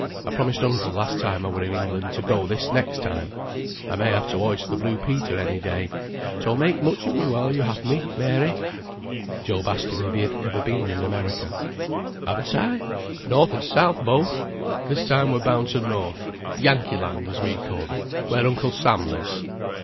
I promised uncle last time I were in England to go this next time. I may have to hoist the blue Peter any day; so, make much of me while you have me, Mary." Job asked him if he had ever been in America. "Haven't I? North and South both! This time we're bound to North. Yankee Land, as we call it, where Uncle Sam lives."